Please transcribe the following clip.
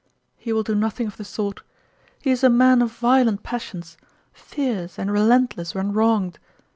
He will do nothing of the sort ! He is a man of violent passions fierce and relentless when wronged.